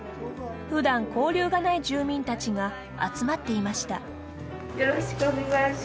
ふだん交流がない住民たちが集まっていました。